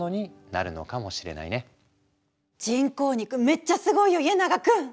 人工肉めっちゃすごいよ家長君！